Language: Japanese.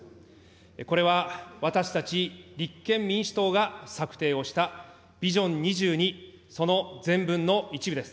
これは私たち立憲民主党が策定をしたビジョン２２、その前文の一部です。